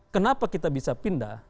kenapa kita bisa pindah